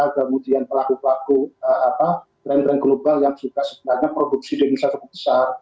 kemudian pelaku pelaku brand brand global yang suka produk sidenis yang besar